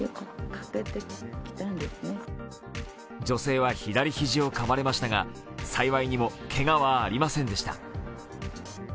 女性は左肘をかまれましたが、幸いにもけがはありませんでした。